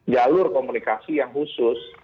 jalur komunikasi yang khusus